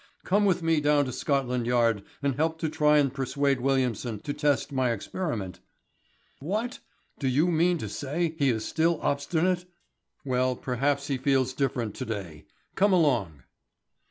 Come with me down to Scotland Yard and help to try and persuade Williamson to test my experiment." "What! Do you mean to say he is still obstinate?" "Well, perhaps he feels different to day. Come along."